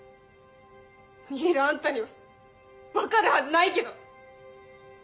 見えるあんたには分かるはずないけど。